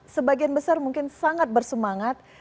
sebagian besar mungkin sangat bersemangat